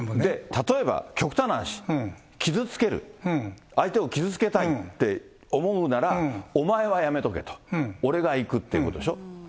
例えば、極端な話、傷つける、相手を傷つけたいって思うなら、お前はやめとけと、俺が行くっていうことでしょ。